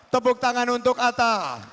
tepuk tangan untuk atta